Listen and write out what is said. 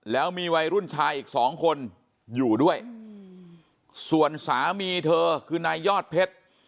แล้วมีวัยรุ่นชายอีกสองคนอยู่ด้วยส่วนสามีเธอคือนายยอดเพชร